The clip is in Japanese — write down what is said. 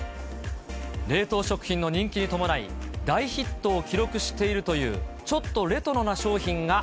冷凍食品の人気に伴い、大ヒットを記録しているというちょっとレトロな商品が。